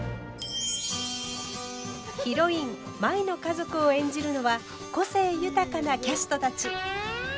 ヒロイン舞の家族を演じるのは個性豊かなキャストたち。